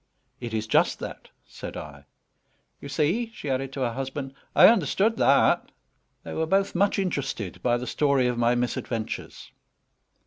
"It is just that," said I. "You see," she added to her husband, "I understood that." They were both much interested by the story of my misadventures.